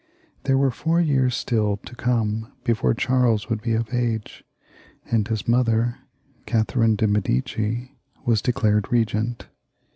There were four years still to come before Charles would be of age, and his mother, Catherine of Medicis, was declared regent.